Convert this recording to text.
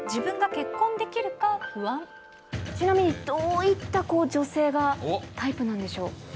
その３、ちなみに、どういった女性がタイプなんでしょう？